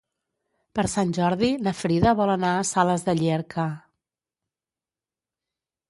Per Sant Jordi na Frida vol anar a Sales de Llierca.